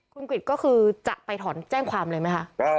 คุณกริจก็คือจะไปถอนแจ้งความเลยไหมคะ